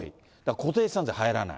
固定資産税入らない。